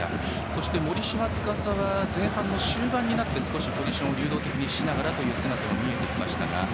そして、森島司は前半の終盤になって少しポジションを流動的にしながらという姿も見えてきましたが。